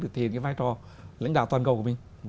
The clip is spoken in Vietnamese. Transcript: được thiền cái vai trò lãnh đạo toàn cầu của mình